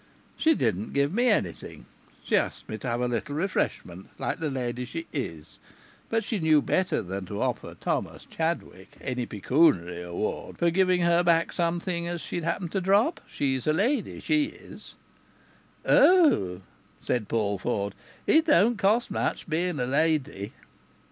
She didn't give me anything. She asked me to have a little refreshment, like the lady she is. But she knew better than to offer Thomas Chadwick any pecooniary reward for giving her back something as she'd happened to drop. She's a lady, she is!" "Oh!" said Paul Ford. "It don't cost much, being a lady!"